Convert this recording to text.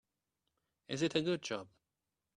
Is it a good job?